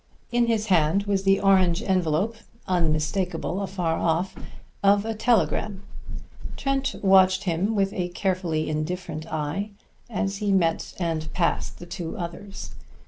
In his hand was the orange envelope, unmistakable afar off, of a telegram. Trent watched him with a carefully indifferent eye as he met and passed the two others.